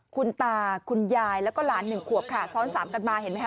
คุณตาคุณยายแล้วก็หลานหนึ่งขวบค่ะซ้อนสามกันมาเห็นไหมค